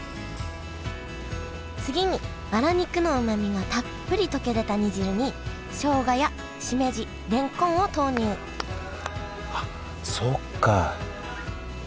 次にバラ肉のうまみがたっぷり溶け出た煮汁にしょうがやしめじれんこんを投入あっそっか。